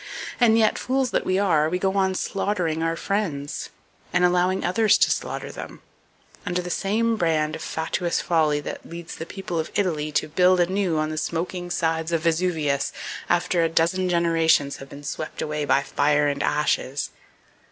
And yet, fools that we are, we go on slaughtering our friends, and allowing others to slaughter them, under the same brand of fatuous folly that leads the people of Italy to build anew on the smoking sides of Vesuvius, after a dozen generations have been swept away by fire and ashes.